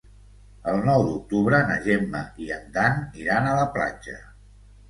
El nou d'octubre na Gemma i en Dan iran a la platja.